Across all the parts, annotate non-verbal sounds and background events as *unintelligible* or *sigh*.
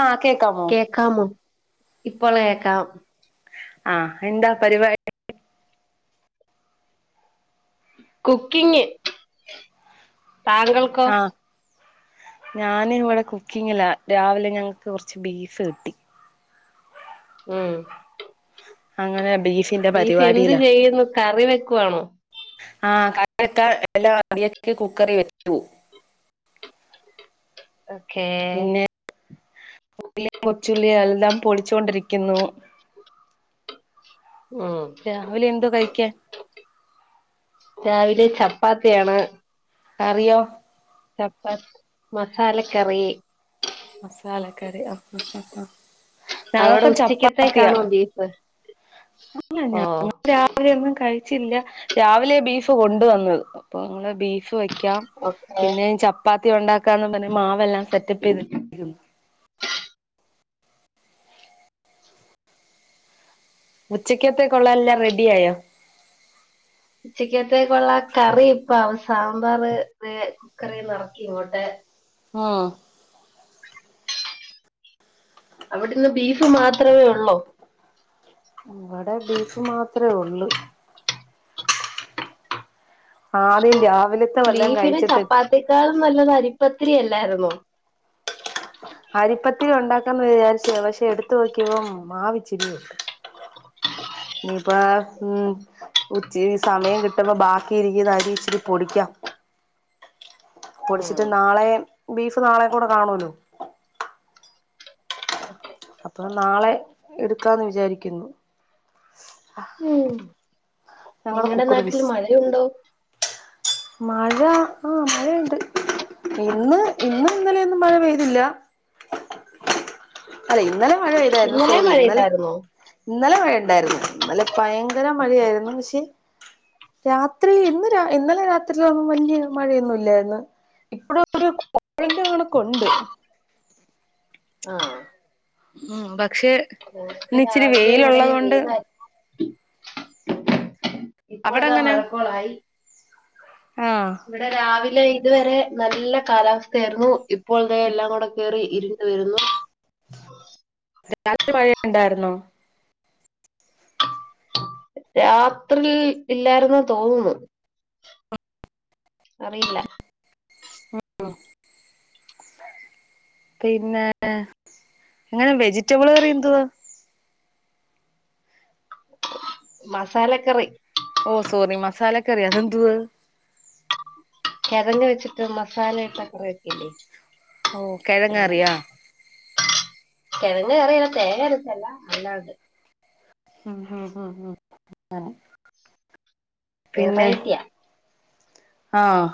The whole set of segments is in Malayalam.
ആഹ് കേക്കാമോ കേക്കാമോ ഇപ്പോളെക്കാം ആഹ് എന്താ പരിവാ കുക്കിങ് താങ്കൾ ആഹ് ഞാൻ ഇവടെ കുക്കിങ്ങിലാ രാവിലെ ഞങ്ങക്ക് കൊറച്ച് ബീഫ് കിട്ടി ഉം അങ്ങനെ ബീഫ് ബീഫ് എന്ത് ചെയ്യുന്നു കറി വെക്കുവാണോ ആഹ് കറി വെക്ക എല്ലാം *unintelligible* കുക്കറി വെച്ചു ഓക്കേ പിന്നെ ള്ളി കൊച്ചുള്ളിഎല്ലാം പൊളിച്ചു കൊണ്ടിരിക്കുന്നു ഉം രാവിലെ എന്തോ കഴിക്ക്യാൻ രാവിലെ ചപ്പാത്തിയാണ് കറിയോ ചപ്പാ മസാലക്കറി മസാല കറി ആഹ് ആഹ് ആഹ് അവടെ ഞങ്ങൾക്ക് ഉച്ചക്കത്തേക്കാണോ ബീഫ് അല്ല ഓ ഞാ രാ ലൊന്നും കഴിച്ചില്ല രാവിലെ ബീഫ് കൊണ്ടുവന്നത് അപ്പൊ ഞങ്ങൾ ബീഫ് വെ ക്യം ഓക്കെ പിന്നെ ചപ്പാത്തി ഉണ്ടാക്കാന്ന് പറഞ്ഞ മാവെല്ലാം സെറ്റപ്പീന്ത് ഉച്ചക്കത്തെകൊള്ള എല്ലാം റെഡിയായോ ഉച്ചക്കത്തേക്കുള്ള കറി ഇപ്പ അവ സാമ്പാർ കുക്കറീന്ന് അറക്കി ഇങ്ങോട്ടെ ആഹ് അവിടുന്ന് ബീഫ് മാത്രവേ ഒള്ളൂ ഇവടെ ബീഫ് മാത്ര ഒള്ളൂ ആദ്യം രാവിലത്ത വല്ലാം കഴിച്ചിട്ട് ത്തേക്കാളും നല്ലത് അരിപ്പത്തിരിയല്ലാരുന്നോ അരിപ്പത്തിരി ഉണ്ടാക്കാന്ന് വിചാരിച്ചയാ. പക്ഷെ എടുത്തു നോക്കിയപ്പം മാവിച്ചിരിയുണ്ട് നീപ്പ ഉം ഉച്ചി സമയം കിട്ടുമ്പോ ബാക്കി ഇരിക്കുന്നരി ഇച്ചിരി പൊടിക്കാം ഉം പൊടിച്ചിട്ട് നാളെ ബീഫ് നാളെ കൂടെ കാണുവല്ലോ അപ്പൊ നാളെ എടുക്കാന്ന് വിചാരിക്കുന്നു ഉം ഞങ്ങളടെ നിങ്ങടെ കുക്കർ നാട്ടിൽ വിസ് മഴയുണ്ടോ മഴ ആഹ് മഴയുണ്ട് ഇന്ന് ഇന്നും ഇന്നലെയൊന്നും മഴ പെയ്തില്ല അല്ല ഇന്നലെ മഴ പെയ്തായിരുന്നു ഇന്നലെയും സോറി ഇന്നലെ മഴയില്ലായിരുന്നോ? ഇന്നലെ മഴയ ഉണ്ടായിരുന്നു ഇന്നലെ ഭയങ്കര ഓക്കെ. മഴയായിരുന്നു പക്ഷെ രാത്രി ഇന്ന് ഇന്നലെ രാത്രിലൊന്നും വല്യ മഴയൊന്നു ഇല്ലായിരുന്നു ഇപ്പഴപ്പഴ *unintelligible* കണക്കുണ്ട് ആഹ് ഉം പക്ഷേ നമുക്ക് രാവിലെ ഇവിടെ മീനാ അവിടെ ഇപ്പോഴതാ എങ്ങനെ മഴക്കോളായി ആഹ് ഇവിടെ രാവിലെ ഇതുവരെ നല്ല കാലാവസ്ഥയായിരുന്നു. ഇപ്പോ ഇവിടെ എല്ലാം കൂടെ കേറി ഇരു വരുന്നു രാത്രി മഴഇണ്ടായിരുന്നോ രാത്രിൽ ഇല്ലായിരുന്ന തോന്നുന്നത് അറിയില്ല ഉം പിന്നെ ങ്ങനെ വെജിറ്റബിൾ കറി എന്തുവാ മസാലക്കറി ഓഹ് സോറി മസാല കറി അതെന്തു വാ കെഴങ്ങ് വെച്ചിട്ട് മസാലയിട്ട കറി വെക്കില്ലേ ഓഹ് കെഴങ്ങാറിയാ കെഴങ് കറിന്നെ തേങ്ങഅരച്ചല്ല. അല്ലാണ്ട് ഹും ഹും ഹും ഹും ങ്ങനെ വെറൈറ്റിയ ആഹ്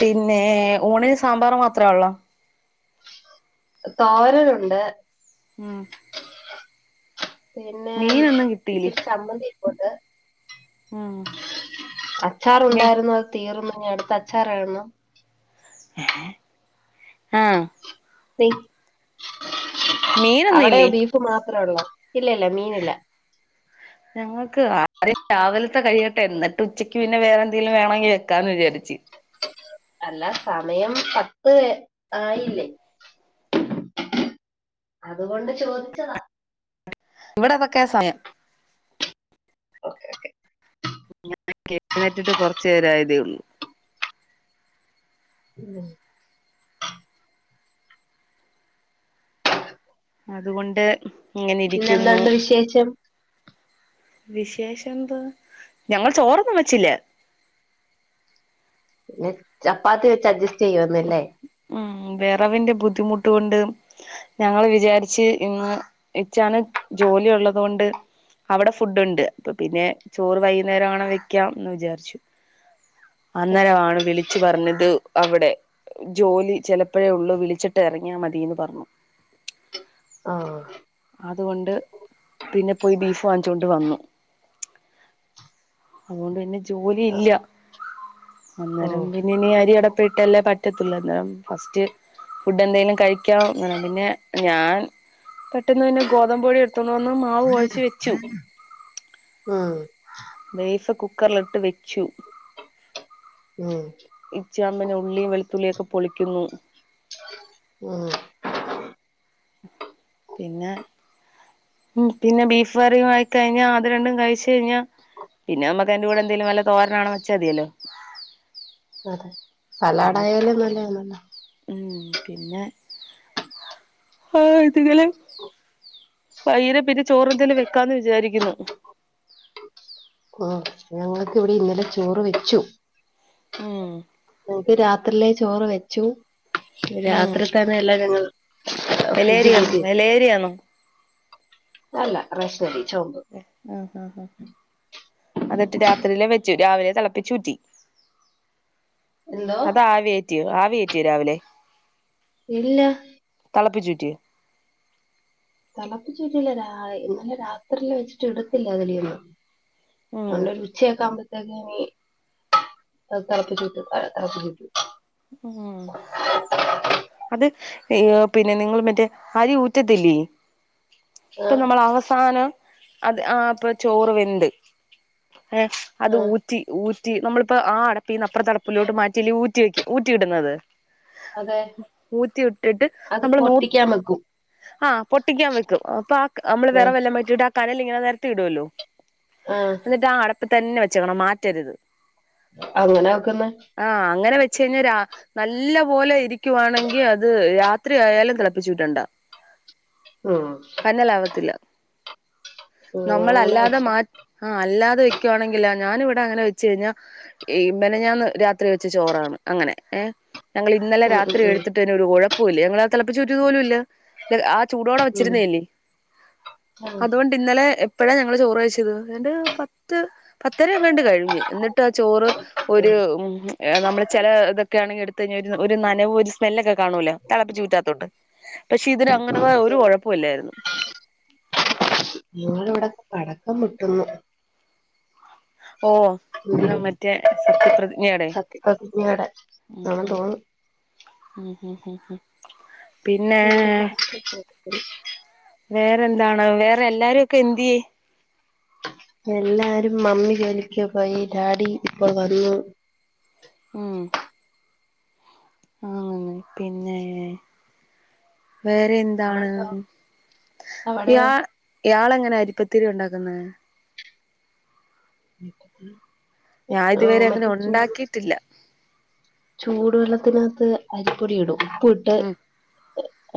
പിന്നെ ഊണിന് സാമ്പാർ മാത്രേ ഒള്ളോ തോരനുണ്ട് ഉം പിന്നെ മീനൊന്നും കിട്ടീലേ ഇച്ചിരി ച്ചമ്മന്തി ഇരിപ്പുണ്ട് ഉം മീ അച്ചാറുണ്ടായിരുന്നു, അത് തീർന്നു അടുത്ത അച്ചാറാവണം ആഹ് ബീ മീനൊന്നും അവിടെയോ ഇല്ലേ ബീഫ് മാത്ര ഒള്ളോ ഇല്ലല്ല മീനില്ല ഞങ്ങക്ക് ആദ്യം രാവിലത്തെ കഴിയട്ടെ, എന്നിട്ട് ഉച്ചക്ക് പിന്നെ വേറെന്തെങ്കിലും വേണങ്കിൽ വെക്കാന്ന് വിചാരിച്ച് അല്ല സമയം പത്ത് ആയില്ലേ അതുകൊണ്ട് ചോദിച്ചതാ ഇവിടെ അതൊക്കെയാ സമയം ഓക്കേ ഓക്കെ *unintelligible* എഴുന്നേറ്റിട്ട് കുറച്ച് നേരമായതേയുള്ളൂ ഉം അതുകൊണ്ട് ഇങ്ങനെ ഇരിക്കുന്നു പിന്നെന്തുണ്ട് വിശേഷം വിശേഷം എന്തുവാ ഞങ്ങൾ ചോറൊന്നും വെച്ചില്ല പിന്നെ ചപ്പാത്തി വെച്ച് അഡ്ജസ്റ്റ് ചെയ്യുവാന്നല്ലേ ഉം വെറവിന്റെ ബുദ്ധിമുട്ട് കൊണ്ട് ഞങ്ങള് വിചാരിച്ച് ഇന്ന് ഇച്ചാന് ജോലി ഉള്ളത് കൊണ്ട് അവിടെ ഫുഡ് ഉണ്ട് അപ്പൊ പിന്നെ ചോറ് വൈകുന്നേരം എങ്ങാനും വെക്കാം എന്ന് വിചാരിച്ചു അന്നേരം ആണ് വിളിച്ച് പറഞ്ഞത് അവിടെ ജോലി ചെലപ്പഴേ ഉള്ളു വിളിച്ചിട്ട് ഇറങ്ങിയാ മതീന്ന് പറഞ്ഞു ആഹ് അതുകൊണ്ട് പിന്നെ പോയി ബീഫ് വാങ്ങിച്ചോണ്ട് വന്നു അതുകൊണ്ട് പിന്നെ ജോലി ആ, ഇല്ല ഓ അന്നേരം പിന്നെ ഇനി അരി അടുപ്പേ ഇട്ടല്ലേ പറ്റത്തുള്ള് അന്നേരം ഫസ്റ്റ് ഫുഡ് എന്തെങ്കിലും കഴിക്കാം അന്നേരം പിന്നെ ഞാൻ പെട്ടന്ന് പിന്നെ ഗോതമ്പ് പൊടി എടുത്തോണ്ട് വന്ന് മാവ് കൊഴച്ച് വെച്ചു ഉം ബീഫ് കുക്കറിലിട്ട് വെച്ചു ഉം ഇച്ചായൻ പിന്നെ ഉള്ളിയും വെളുത്തുള്ളിയും ഒക്കെ പൊളിക്കുന്നു ഉം പിന്നെ ഉം പിന്നെ ബീഫ് കറിയും ആയി കഴിഞ്ഞാ അത് രണ്ടും കഴിച്ച് കഴിഞ്ഞാ പിന്നെ നമ്മക്ക് അതിന്റെ കൂടെ എന്തേലും വല്ല തോരന് എങ്ങാനും വെച്ചാ മതിയല്ലോ പിന്നെ സലാടായാലും നല്ലതാണല്ലോ ഉം പിന്നെ *unintelligible* വൈകിട്ട് പിന്നെ ചോറെന്തേലും വെക്കാന്ന് വിചാരിക്കുന്നു ആഹ് ഞങ്ങൾക്ക് ഇവിടെ ഇന്നലെ ചോറ് വെച്ചു ഉം ഞങ്ങക്ക് രാത്രിയിലെ ചോറ് വെച്ചു രാത്രി തന്നെ എല്ലാം ഞങ്ങള് വെള്ളയരി ആണോ വെള്ളയരി ആണോ അല്ല റേഷനരി ചോപ്പ് ആഹ് ആഹ് ആഹ് അതിട്ട് രാത്രിയിലെ വെച്ചു രാവിലെ തിളപ്പിച്ചു ഊറ്റി എന്തോ അത് ആവി കേറ്റിയോ ആവി കേറ്റിയോ രാവിലെ ഇല്ല തെളപ്പിച്ച് ഊറ്റിയോ തിളപ്പിച്ച് ഊറ്റിയില്ല ഇന്നലെ രാത്രില്ല വെച്ചിട്ട് എടുത്തില്ല അതിലീന്ന് ഉം നല്ല തന്നെ ഉച്ചയൊക്കെ ആകുമ്പോത്തേക്ക് ഇനി തിളപ്പിച്ച് ഊറ്റും തിളിപ്പിച്ച് ഊറ്റും ഉം അത് പിന്നെ നിങ്ങൾ മറ്റേ അരി ഊറ്റത്തില്ലേ ആ അപ്പം നമ്മള് അവസാനം അത് ആ അപ്പം ചോറുവെന്ത് എ അത് ഊറ്റ് ആ ഊറ്റി ഊറ്റി നമ്മളിപ്പോ ആ അടപ്പീന്ന് അപ്പുറത്തെ അടപ്പിലോട്ട് മാറ്റിയല്ലേ ഊറ്റിവെയ്ക് ഊറ്റിയിടുന്നത് അതെ ഊറ്റിയിട്ടിട്ട് അത് നമ്മള് നൂത്ത് പൊട്ടിക്കാൻ വെക്കും ആ പൊട്ടിക്കാൻ വെക്കും അപ്പ ആ ക നമ്മള് ആ വെറെ വല്ലോം വെച്ചിട്ടാ കനലിങ്ങനെ നെരത്തിയിടുവല്ലോ ആ എന്നിട്ടാ ആ അടപ്പീതന്നെ വെച്ചേക്കണം മാറ്റരുത് അങ്ങനാ വെക്കുന്നേ ആ അങ്ങനെ വെച്ചുകഴിഞ്ഞാ രാ നല്ലപോലെ ഇരിക്കുവാണെങ്കി അത് രാ ത്രിയായാലും തിളപ്പിച്ചുറ്റണ്ടാ ഉം പന്നലാവത്തില്ല ഞങ്ങളങ്ങനെ നമ്മളല്ലാതെ വെച്ചു മാറ്റ് ആ അല്ലാതെ വെക്കുവാണെങ്കിലാ ഞാനിവിടെ അങ്ങനെ വെച്ചുകഴിഞ്ഞാ ഇന്നലെ ഞാൻ രാത്രിവെച്ച ചോറാണ് അങ്ങനെ ഏ ഞങ്ങള് ഇന്നലെ ഉം രാത്രി ഉം എടുത്തിട്ടന്നെ ഒരു കൊഴപ്പവുമില്ല ഞങ്ങളത് തിളപ്പിച്ചൂറ്റിയതുപോലുമില്ല ആ ചൂടോടെ ഉം ഉം വെച്ചിരുന്നയല്ലേ ആ അതുകൊണ്ട് ഇന്നലെ എപ്പോഴാ ഞങ്ങള് ചോറുകഴിച്ചത് എതാണ്ട് പത്ത് പത്തരയെങ്ങാണ്ട് കഴിഞ്ഞു എന്നി ട്ടാ ആ ചോറ് ഒരു ഉം ഏ നമ്മള് ചെലതൊക്കെയാണെങ്കി എടുത്തുകഴിഞ്ഞാ ഒരു നനവ് ഒരു സ്മെല്ലൊക്കെ കാണുല്ലേ തെളപ്പിച്ചൂറ്റാത്തൊണ്ട് പക്ഷെ ഇതിന് അങ്ങനെതായ ഒരു കൊഴപ്പവുവില്ലായിരുന്നു ഞങ്ങടെവിടെ പടക്കം പൊട്ടുന്നു ഓ ഉം ഇന്ന് മറ്റേ സത്യപ്രതിജ്ഞേടെ സത്യപ്രതിജ്ഞയുടെ ഉം ആണെന്ന് ഉം തോന്നുന്നു ഉം ഉം ഉം ഉം പിന്നെ അതിന്റെ പടക്കം പൊട്ടുന്നു വേറെന്താണ് വേറെ എല്ലാരൊക്കെ എന്തേ എല്ലാരും മമ്മി ജോലിക്കുപോയി ഡാഡി ഇപ്പോവന്നു ഉം ആ വന്നു പിന്നെ വേറെയെൻ ന്താണ് അവിടെയോ അവിടെയോ ഇയാ ഇയാളെങ്ങനെ അരിപ്പത്തിരി ഒണ്ടാക്കുന്നെ മറ്റെ ചൂ ഇല്ല ചൂടുവെള്ളത്തിനാത്ത് അരിപ്പൊടി ഇടും ഉപ്പിട്ട് ഉം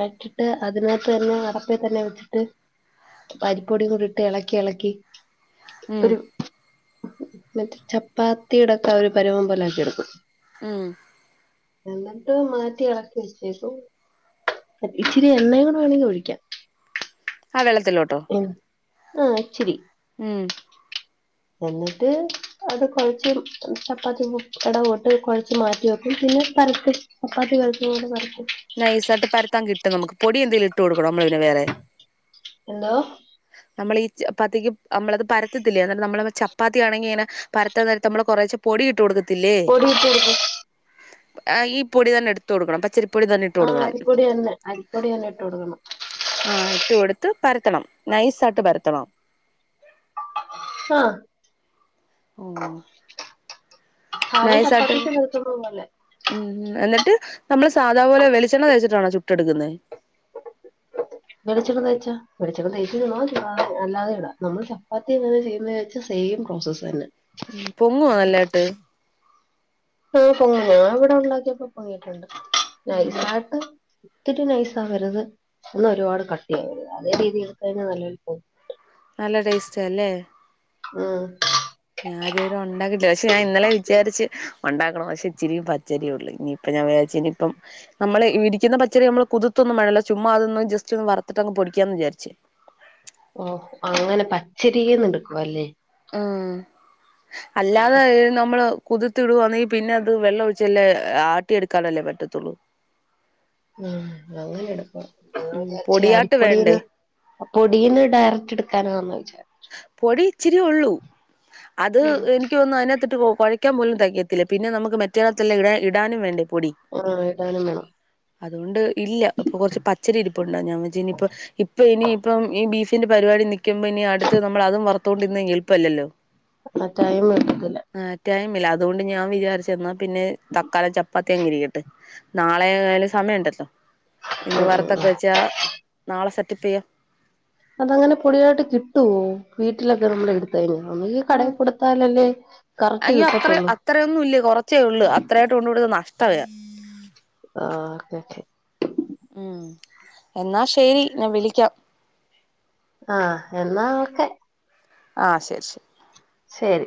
ഇട്ടിട്ട് അതിനാത്തുതന്നെ അടപ്പേതന്നെ വെച്ചിട്ട് അരിപ്പൊടിയും കൂടിയിട്ട് എളക്കി എളക്കി ഉം ഒരു മറ്റേചപ്പാത്തിടൊക്കെ ഒരു പരുവം പോലെയാക്കിയെടുക്കും ഉം എന്നിട്ടു മാറ്റി എളക്കി വെച്ചേക്കും ഇച്ചിരി എണ്ണയും കൂടെ വേണമെങ്കി ഒഴിക്കാം ആ വെള്ളത്തിലോട്ടോ ഉം ആ ഇച്ചിരി ഉം എന്നിട്ട് അത് കൊഴച്ച് ചപ്പാത്തിടങ്ങൊട്ട് കൊഴച്ച് മാറ്റിവെക്കും പിന്നെ പരത്തും ചപ്പാത്തി പരത്തുന്നതുപോലെ പരത്തും നൈസായിട്ട് പരത്താൻ കിട്ടും നമക്ക് പൊടിയെന്തേലും ഇട്ടുകൊടുക്കണോ നമ്മളുപിന്നെ വേറെ എന്തോ ആഹ് നമ്മൾ ഈ ചപ്പാത്തിക്ക് അമ്മളത് പരത്തത്തില്ലേ അത് എന്നം നമ്മള ചപ്പാത്തിയാണെങ്കി ങ്ങനെ പരത്താ നേരത്ത് മ്മള് കൊറേച്ചെ പൊടി ഇട്ട് കൊടുക്കത്തില്ലേ. പൊടി ഇട്ട് കൊടുക്കും ആഹ് ഈ പൊടി തന്നെ എട്ത്തോട്ക്കണം. പച്ചരി ആഹ് അരിപ്പൊടി എന്നെ. അരിപ്പൊടി എന്നെ ഇട്ട് കൊടുക്കണം. ആഹ് ഇട്ട് കൊടുത്ത് പരത്തണം. നൈസായിട്ട് പരത്തണം ആഹ് ഉം അഹ് നൈസായിട്ട് ചപ്പാത്തിക്ക് പരത്തുന്നത് പോലെ. ഉം ഉം. എന്നിട്ട് നമ്മള് സാധാപോലെ വെളിച്ചെണ്ണ തേച്ചിട്ടാണോ ചുട്ടെടുക്കുന്നേ. വെളിച്ചെണ്ണ തേച്ചാ. വെളിച്ചെണ്ണ തേച്ച് ചുടണോ ചുടാം. അല്ലാതെയും യുടാം. നമ്മള് ചപ്പാത്തി എങ്ങനെ ചെയ്യുന്നേ ത്ത് സെയിം ക്രോസസ് തന്നെ. പൊങ്ങൊ നല്ലായിട്ട്? ആഹ് പൊങ്ങും ഞാൻ ഇവ്ടെ ഉണ്ടാക്കിയപ്പൊ പൊങ്ങിട്ടുണ്ട്. ഉം നൈസായിട്ട് ത്തിരി നൈസാവരുത്. ഒന്നാ ഒരുപാട് കട്ടിയാവരുത്. അതേ രീതി ട്കഴിഞ്ഞാ നല്ലൊൽ പൊ നല്ല ടേസ്റ്റാ അല്ലേ. ആഹ് ഞാ ഇതുവരെ ഒണ്ടാക്കിട്ടില്ല പക്ഷെ ഞാൻ ഇന്നലെ വിചാരിച്ച് ഒണ്ടാക്കണം. പക്ഷെ ഇച്ചിരിയും പച്ചരി ഉള്ള്. നി അപ്പം ഞാൻ വിയാരിച്ച് ഞ്ഞിപ്പം നമ്മള് ഇടിക്കുന്ന പച്ചരി അമ്മള് കുതിർതൊന്നും വേണെല്ലെ ചുമ്മാ അതൊന്ന് ജസ്റ്റൊന്ന് വറത്ത്ട്ടങ് പൊടിക്കാന്ന് വിചാരിച്ച്. ഓഹ്. അങ്ങനെ പച്ച രീന്ന് ട് ക്കുവല്ലേ. ആഹ്. അല്ലാതെ ഇത് നമ്മള് കുതിർത്തിടുവാന്നെങ്കി പിന്നെ അത് വെള്ളം ഒഴിച്ചല്ലേ ആട്ടിയെടുക്കാനല്ലേ പറ്റത്തുള്ളൂ. ആഹ്. അങ്ങനെ എടപ്പാ ഞാ ഉം വിചാരിച്ച പൊടിയാട്ട് വേണ്ടേ അരിപ്പൊടിന്ന് അപൊടീന്ന് ഡയറക്ട് ട്ക്കാനാന്നാ വിചാ പൊടി ഇച്ചിരീ ഒള്ളൂ. അത് എനി ക്യോന്നു ന്നു അയ്നാകത്തിട്ട് കൊ കൊഴയ്ക്കൻ പോലും തെകത്തില്ല. പിന്നെ നമുക്ക് മറ്റേന്നാത്തെല്ലെ ഇടാ ഇടാനും വേണ്ടേ പൊടി. ആഹ് ഇടാനും വേണം. അതുകൊണ്ട് ഇല്ല. പ്പൊ കൊർച്ച് പച്ചരി ഇരിപ്പുണ്ട് ഞാൻ വെച്ച് ഇനി പ്പം ഇപ്പ ഇനിയിപ്പം ഈ ബീഫ് തിന്റെ പരിപാടി നിക്കുമ്പം ഇനി അടത്തെത് നമ്മള് അതും വറ്ത്തോണ്ടിരുന്നാ എൾപ്പല്ലല്ലോ?. മ ടൈ മെട്ക്ക്ലാ ആഹ് ടൈമില്ലാ. അതുകൊണ്ട് ഞാ വിചാരിച്ചു എന്നാ പിന്നെ തക്കാലം ചപ്പാത്തിയങ് ഇരിക്കട്ട്. നാളെയാലും സമയണ്ടല്ലോ. ഇന്ന് ഉം ഉം വറത്തൊക്കെ ഉം വെച്ചാ നാളെ സെറ്റപ്പെയ്യാ. അതങ്ങനെ പൊടിയായിട്ട് കിട്ടുവോ? വീട്ടിലൊക്കെ നമ്മള് എട് തേന്നെ. ഒന്നെങ്കീ കടേ ഉം കൊട്ത്താലല്ലേ കറക്റ്റ് കിട്ടത്തുള്ളു. ത്രയൊന്നു ഇല്ലത് കൊറച്ചേ ഉള്ളൂ. അത്രായിട്ട് കൊണ്ട്കൊടുത്താ നഷ്ട വാ. ആഹ് *unintelligible* ഉം. എന്നാ ശരി. ഞാൻ വിളിക്കാം. ആഹ് എന്നാ ഓക്കെ. ആഹ് ശരി ശരി ശരി